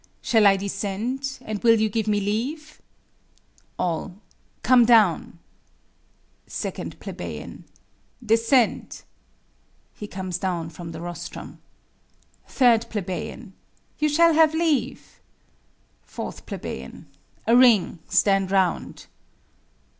Shall I descend? And will you give me leave? All. Come down. 2 Ple. Descend. [He comes down from the Rostrum. 3 Ple. You shall have leave. 4 Ple. A ring; stand round.